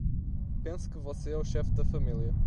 Pense que você é o chefe da família